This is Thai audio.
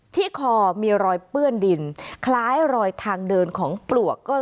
ที่คอมีรอยเปื้อนดินคล้ายรอยทางเดินของปลวก